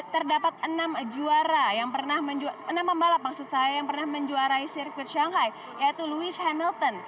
terdapat enam pembalap yang pernah menjuarai sirkuit shanghai yaitu lewis hamilton